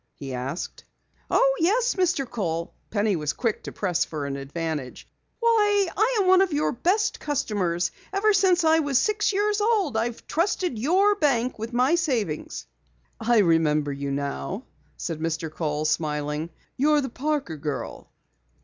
he asked. "Oh, yes, Mr. Kohl." Penny was quick to press for an advantage. "Why, I am one of your best customers. Ever since I was six years old I've trusted your bank with my savings!" "I remember you now," said Mr. Kohl, smiling. "You're the Parker girl."